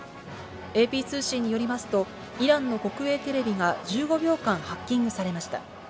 ＡＰ通信によりますと、イランの国営テレビが１５秒間ハッキングされました。